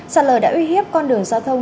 sạt lở đã uy hiếp con đường giao thông